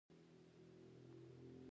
د دوی د مینې کیسه د محبت په څېر تلله.